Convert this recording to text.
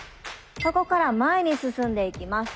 そこから前に進んでいきます。